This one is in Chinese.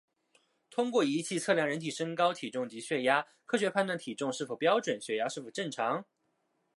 通过仪器测量人体身高、体重及血压，科学判断体重是否标准、血压是否正常